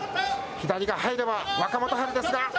左が入れば、若元春ですが。